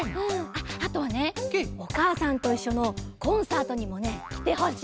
あっあとはね「おかあさんといっしょ」のコンサートにもねきてほしいかな。